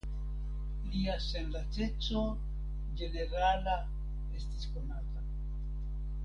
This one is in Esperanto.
Lia senlaceco ĝenerala estis konata.